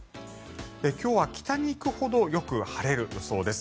今日は北に行くほどよく晴れる予想です。